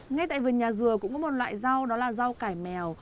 ngay tại vườn nhà dừa cũng có một loại rau đó là rau cải mèo